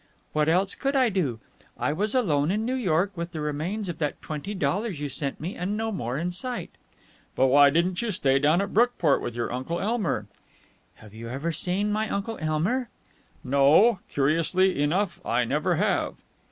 "What else could I do? I was alone in New York with the remains of that twenty dollars you sent me and no more in sight." "But why didn't you stay down at Brookport with your Uncle Elmer?" "Have you ever seen my Uncle Elmer?" "No. Curiously enough, I never have."